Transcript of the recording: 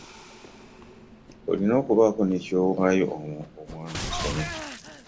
Olina okubaako ne ky'owaayo omwana asome.